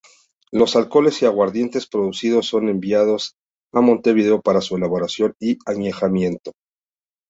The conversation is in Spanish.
Los alcoholes y aguardientes producidos son enviados a Montevideo para su elaboración y añejamiento.